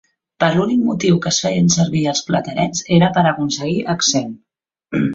Per l'únic motiu que es feien servir els platerets era per aconseguir accent.